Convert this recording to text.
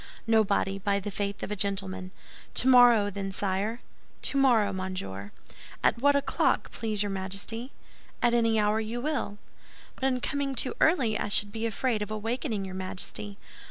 "Nobody, by the faith of a gentleman." "Tomorrow, then, sire?" "Tomorrow, monsieur." "At what o'clock, please your Majesty?" "At any hour you will." "But in coming too early I should be afraid of awakening your Majesty."